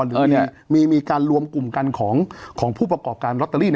หรือมีการรวมกลุ่มกันของผู้ประกอบการลอตเตอรี่